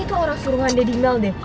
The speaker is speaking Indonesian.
itu orang suruhan dari mel deh